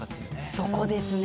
そこですね。